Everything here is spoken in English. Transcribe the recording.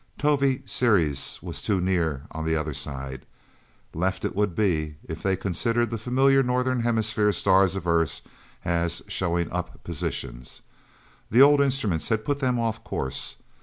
Tovie Ceres was too near on the other side left, it would be, if they considered the familiar northern hemisphere stars of Earth as showing "up" position. The old instruments had put them off course.